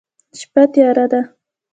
شپه تیاره ده